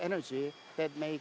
yang dapat membuat